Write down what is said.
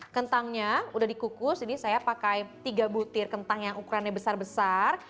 kentangnya udah dikukus jadi saya pakai tiga butir kentang yang ukurannya besar besar